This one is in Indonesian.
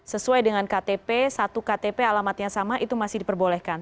sesuai dengan ktp satu ktp alamatnya sama itu masih diperbolehkan